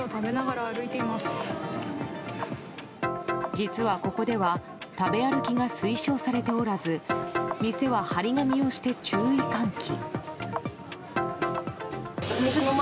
実はここでは食べ歩きが推奨されておらず店は貼り紙をして注意喚起。